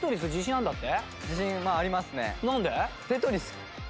なんだって？